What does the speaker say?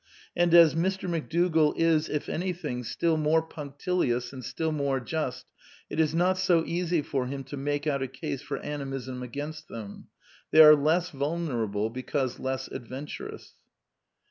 And as Mr. McDougall is, if anything, still more punctilious and still more just, it is not so easy for him to make out a case for Animism against them. They are less vulner able because less adventurous.